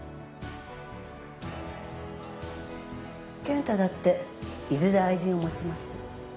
健太だっていずれ愛人を持ちます。